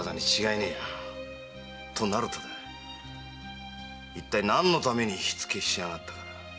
となるといったい何のために火付けしやがったのか。